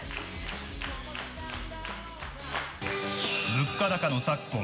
物価高の昨今